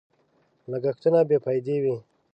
لګښتونه بې فايدې وي.